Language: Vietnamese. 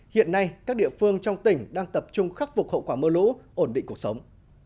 hiện nay các địa phương trong tỉnh đang tập trung khắc phục hậu quả mưa lũ ổn định cuộc sống